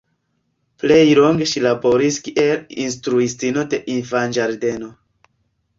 Plej longe ŝi laboris kiel instruistino de infanĝardeno.